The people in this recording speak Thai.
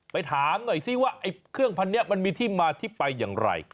ไปถามสิว่าเครื่องพันธุ์นี้มีที่ไปต่อกันอย่างไร